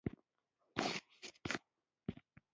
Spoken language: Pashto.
رومیان د خلکو اړتیا ده